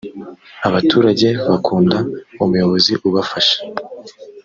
abaturage bakunda umuyobozi ubafasha.